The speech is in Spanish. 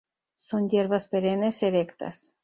Son hierbas perennes, erectas.